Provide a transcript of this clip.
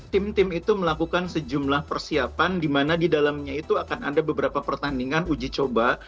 tim tim itu melakukan sejumlah persiapan di mana di dalamnya itu akan ada beberapa pertandingan uji coba